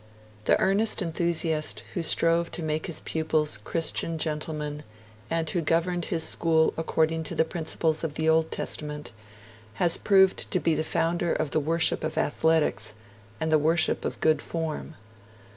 The earnest enthusiast who strove to make his pupils Christian gentlemen and who governed his school according to the principles of the Old Testament, has proved to be the founder of the worship of athletics and the worship of good form.